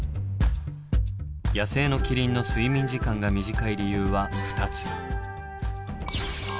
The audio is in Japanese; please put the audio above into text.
野生のキリンの睡眠時間が短い理由は２つ。